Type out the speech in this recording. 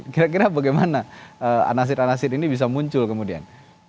kira kira bagaimana anasir anasir ini bisa muncul kemudian